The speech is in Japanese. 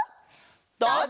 どうぞ！